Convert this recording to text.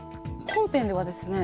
本編ではですね